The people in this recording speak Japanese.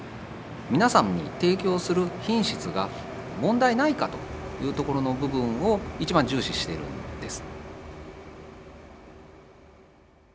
皆さんに提供する品質が問題ないかというところの部分を一番重視しているんです。